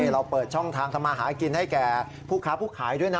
เราเปิดช่องทางทำมาหากินให้แก่ผู้ค้าผู้ขายด้วยนะ